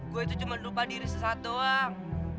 gua itu cuma lupa diri sesaat doang